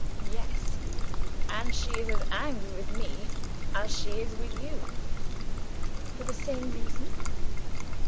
"Yes; and she is as angry with me as she is with you." "For the same reason?"